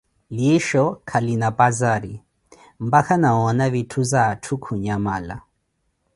Liisho kalina phazira, mpakha na woona vitthizawatthu kunyamala.